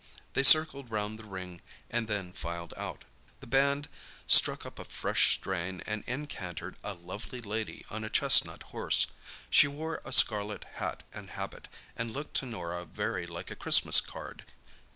They circled round the ring and then filed out. The band struck up a fresh strain and in cantered a lovely lady on a chestnut horse. She wore a scarlet hat and habit, and looked to Norah very like a Christmas card.